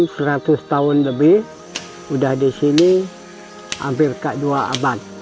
selama kami seratus tahun lebih sudah disini hampir kedua abad